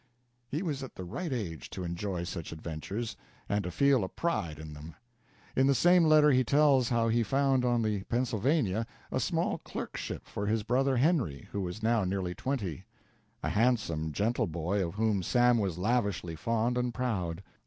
He was at the right age to enjoy such adventures, and to feel a pride in them. In the same letter he tells how he found on the "Pennsylvania" a small clerkship for his brother Henry, who was now nearly twenty, a handsome, gentle boy of whom Sam was lavishly fond and proud.